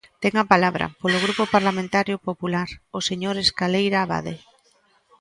Ten a palabra, polo Grupo Parlamentario Popular, o señor Escaleira Abade.